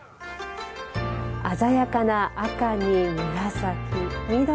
鮮やかな赤に紫、緑。